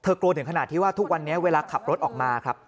กลัวถึงขนาดที่ว่าทุกวันนี้เวลาขับรถออกมาครับ